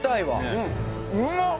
うまっ！